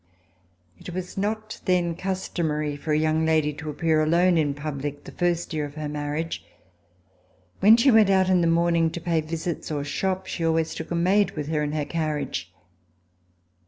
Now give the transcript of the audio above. It was not then customary for a young lady to appear alone in public the first year of her marriage. When she went out in the morning to pay visits or shop, she always took a maid with her in her carriage.